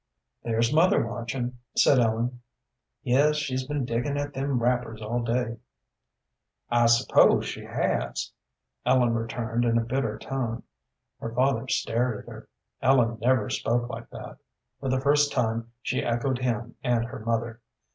"There's mother watching," said Ellen. "Yes, she's been diggin' at them wrappers all day." "I suppose she has," Ellen returned, in a bitter tone. Her father stared at her. Ellen never spoke like that. For the first time she echoed him and her mother.